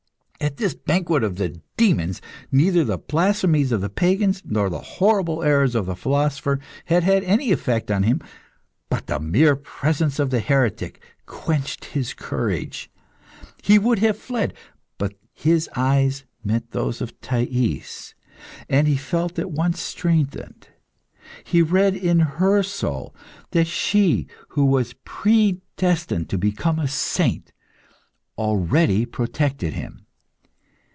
At this banquet of the demons, neither the blasphemies of the pagans, nor the horrible errors of the philosophers, had had any effect on him, but the mere presence of the heretic quenched his courage. He would have fled, but his eyes met those of Thais, and he felt at once strengthened. He read in her soul that she, who was predestined to become a saint, already protected him.